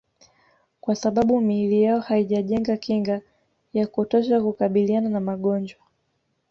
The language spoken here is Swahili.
Kwa sababu miili yao haijajenga kinga ya kutosha kukabiliana na magonjwa